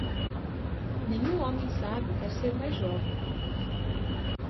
Nenhum homem sábio quer ser mais jovem.